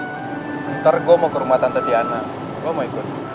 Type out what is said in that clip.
oh iya lan ntar gua mau ke rumah tante tiana lu mau ikut